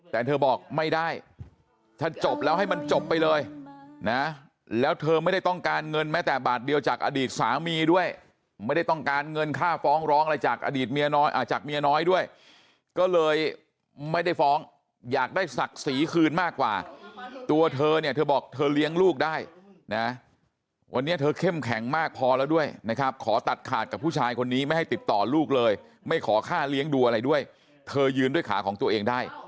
แต่เธอบอกไม่ได้ถ้าจบแล้วให้มันจบไปเลยนะแล้วเธอไม่ได้ต้องการเงินแม้แต่บาทเดียวจากอดีตสามีด้วยไม่ได้ต้องการเงินค่าฟ้องร้องอะไรจากอดีตเมียน้อยอ่าจากเมียน้อยด้วยก็เลยไม่ได้ฟ้องอยากได้ศักดิ์สีคืนมากกว่าตัวเธอเนี่ยเธอบอกเธอเลี้ยงลูกได้นะวันนี้เธอเข้มแข็งมากพอแล้วด้วยนะครับขอตัดขาด